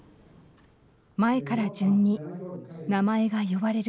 前から順に名前が呼ばれる。